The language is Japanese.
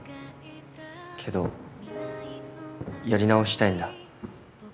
けどやり直したいんだ。